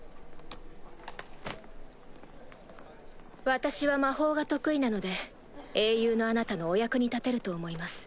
私は魔法が得意なので英雄のあなたのお役に立てると思います。